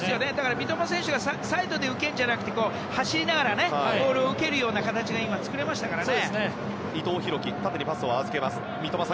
三笘選手がサイドで受けるんじゃなくて走りながらボールを受けるような形が作れましたからね。